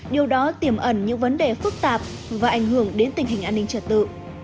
điều đó tiềm ẩn những vấn đề phức tạp và ảnh hưởng đến tình hình an ninh trật tự